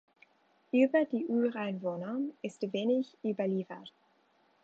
Über die Ureinwohner ist wenig überliefert.